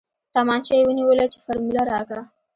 تمانچه يې ونيوله چې فارموله راکه.